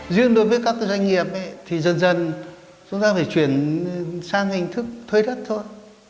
riêng đối với các doanh nghiệp thì dần dần chúng ta phải chuyển sang hình thức thuê đất thôi